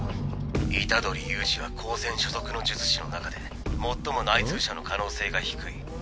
虎杖悠仁は高専所属の術師の中で最も内通者の可能性が低い。